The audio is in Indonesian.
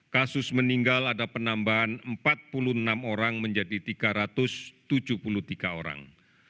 kasus meninggal ada penambahan empat puluh enam orang menjadi tiga ratus tujuh puluh tiga orang